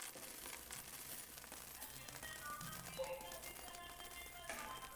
La batalla no fue decisiva pero mantuvo a los egipcios al margen.